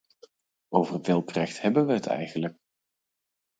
Over welk recht hebben we het eigenlijk?